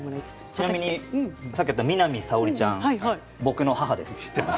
ちなみにさっき会った南沙織ちゃん、僕の母です。